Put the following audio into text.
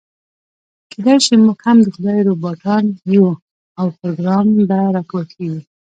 کيداشي موږ هم د خدای روباټان يو او پروګرام به راکول کېږي.